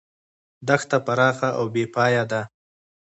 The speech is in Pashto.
دښته پراخه او بې پایه ده.